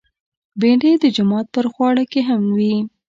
بېنډۍ د جومات پر خواړه کې هم وي